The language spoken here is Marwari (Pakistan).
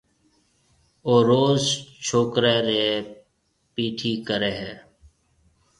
او روز ڇوڪرَي ري پيِٺي ڪرَي ھيََََ